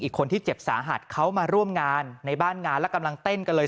คนที่เจ็บสาหัสเขามาร่วมงานในบ้านงานและกำลังเต้นกันเลย